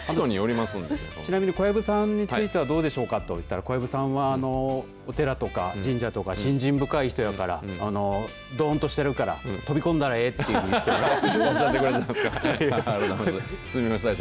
ちなみに小藪さんについてはどうでしょうかといったら小藪さんはお寺とか神社とか信心深い人やからどんとしてるから飛び込んだらええっていうふうに言ってました。